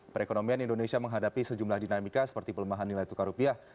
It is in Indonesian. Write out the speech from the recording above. perekonomian indonesia menghadapi sejumlah dinamika seperti pelemahan nilai tukar rupiah